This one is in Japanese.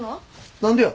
何でや？